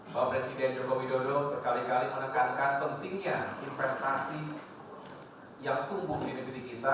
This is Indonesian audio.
pak presiden joko widodo berkali kali menekankan pentingnya investasi yang tumbuh di negeri kita